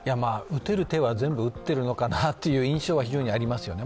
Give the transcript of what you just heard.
打てる手は全部打っているのかなという印象は非常にあります。